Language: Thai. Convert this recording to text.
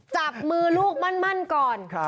จับมือลูกมั่นก่อน